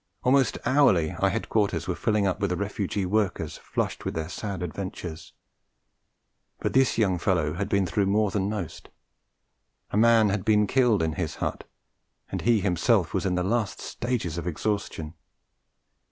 Almost hourly our headquarters were filling up with refugee workers flushed with their sad adventures; but this young fellow had been through more than most; a man had been killed in his hut, and he himself was in the last stages of exhaustion.